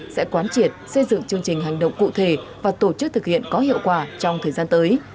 sẽ quán triệt xây dựng chương trình hành động cụ thể và tổ chức thực hiện có hiệu quả trong thời gian tới